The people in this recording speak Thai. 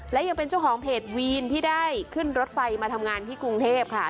และยังเป็นเจ้าของเพจวีนที่ได้ขึ้นรถไฟมาทำงานที่กรุงเทพค่ะ